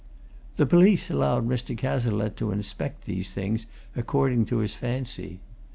The police allowed Mr. Cazalette to inspect these things according to his fancy.